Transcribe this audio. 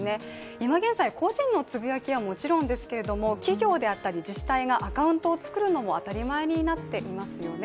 今現在、個人のつぶやきはもちろんですが企業であったり自治体がアカウントを作るのも当たり前になっていますよね。